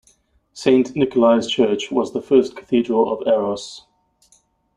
Saint Nikolai's church was the first cathedral of Aros.